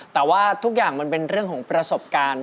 แต่ว่าทุกอย่างมันเป็นเรื่องของประสบการณ์